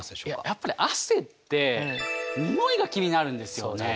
やっぱり汗ってニオイが気になるんですよね。